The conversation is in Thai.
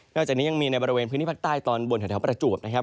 จากนี้ยังมีในบริเวณพื้นที่ภาคใต้ตอนบนแถวประจวบนะครับ